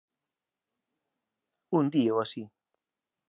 Un día ou así.